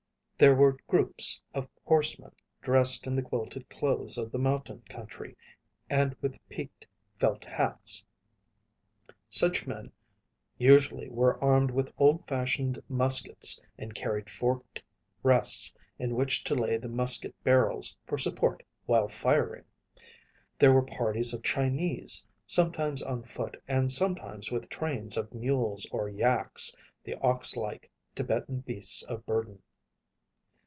There were groups of horsemen, dressed in the quilted clothes of the mountain country and with peaked felt hats. Such men usually were armed with old fashioned muskets and carried forked rests in which to lay the musket barrels for support while firing. There were parties of Chinese, sometimes on foot and sometimes with trains of mules or yaks, the oxlike Tibetan beasts of burden.